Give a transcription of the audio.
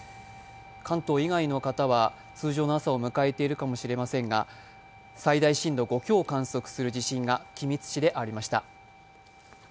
関東以外の方は通常の朝を迎えているかもしれませんが最大震度５強を観測する地震が木更津市でありました。